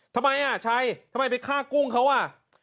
ทำไมอ่ะชัยทำไมไปฆ่ากุ้งเขาอ่ะ